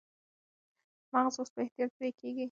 مغز اوس په احتیاط پرې کېږي.